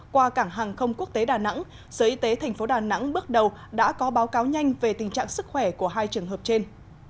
qua cảng hàng không quốc tế đà nẵng sở y tế tp đà nẵng bước đầu đã có báo cáo nhanh về tình trạng sức khỏe của hai trường hợp trên